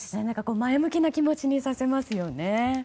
前向きな気持ちにさせてくれますよね。